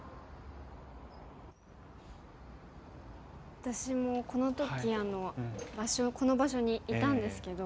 私もこの時この場所にいたんですけど。